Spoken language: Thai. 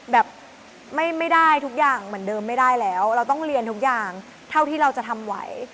แบบไม่ได้ทุกอย่างเหมือนเดิมไม่ได้แล้วเราต้องเรียนทุกอย่างเท่าที่เราจะทำไหว